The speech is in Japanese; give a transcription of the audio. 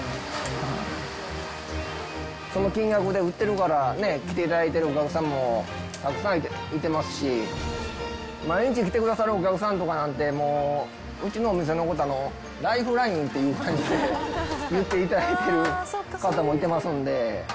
その金額で売ってるから来ていただいているお客さんもたくさんいてますし、毎日来てくださるお客さんなんて、もう、うちのお店のことをライフラインっていう感じで言っていただいてる方もいてますんで。